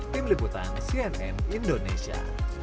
tim liputang cnn indonesia